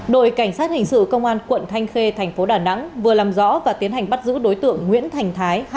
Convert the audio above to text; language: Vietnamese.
đội cảnh sát hình sự công an quận thanh khê thành phố đà nẵng vừa làm rõ và tiến hành bắt giữ đối tượng nguyễn thành thái